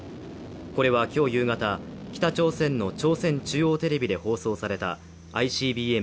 これは今日夕方、北朝鮮の朝鮮中央テレビで放送されたＩＣＢＭ